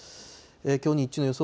きょう日中の予想